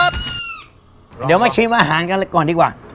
เดี๋ยวมาชิมอาหารกันเลยก่อนดีกว่า